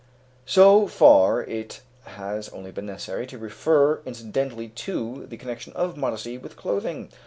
So far it has only been necessary to refer incidentally to the connection of modesty with clothing.